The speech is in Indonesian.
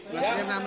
nasdem namanya ahmad